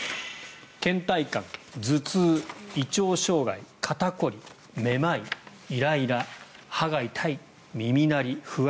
けん怠感、頭痛、胃腸障害肩凝り、めまい、イライラ歯が痛い、耳鳴り、不安。